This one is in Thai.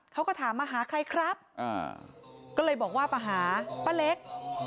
เขาก็ถามมาหาใครครับก็เลยบอกว่ามาหาป้าเล็ก